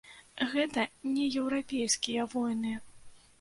Гэта не еўрапейскія войны.